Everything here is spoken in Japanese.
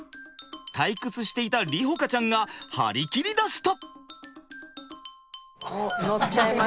退屈していた梨穂花ちゃんが張り切りだした！